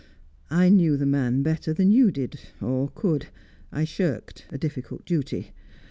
"I knew the man better than you did or could. I shirked a difficult duty.